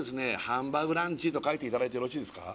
ハンバーグランチと書いていただいてよろしいですか？